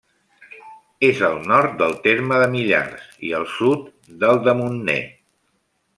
És al nord del terme de Millars i al sud del de Montner.